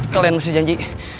kalian masih janji